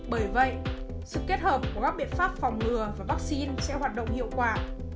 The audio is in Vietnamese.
bởi vậy sự kết hợp của các biện pháp phòng ngừa và vaccine sẽ hoạt động hiệu quả